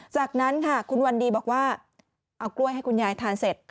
จากนั้นค่ะคุณวันดีบอกว่าเอากล้วยให้คุณยายทานเสร็จ